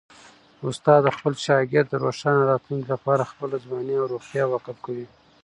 استاد د خپل شاګرد د روښانه راتلونکي لپاره خپله ځواني او روغتیا وقف کوي.